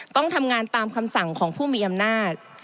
ต้องทำงานตามคำสั่งของผู้มีอำนาจ